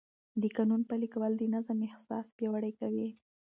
د قانون پلي کول د نظم احساس پیاوړی کوي.